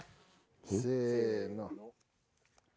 せの。